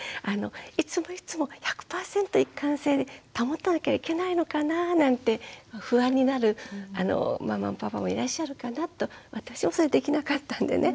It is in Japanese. いつもいつも１００％一貫性保たなきゃいけないのかななんて不安になるママもパパもいらっしゃるかなと私もそれできなかったんでね。